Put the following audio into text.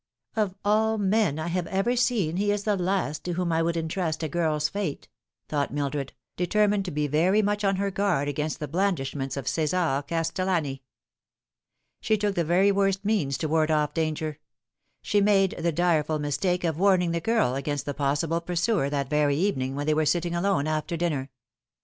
" Of all men I have ever seen he is the last to whom I would intrust a girl's fate," thought Mildred, determined to be very much on her guard against the blandishments of Cesar Castel lani. She took the very worst means to ward off danger. She made the direful mistake of warning the girl against the possible pursuer that very evening when they were sitting alone after dinner.